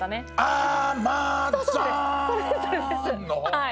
はい。